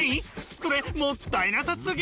それもったいなさすぎ！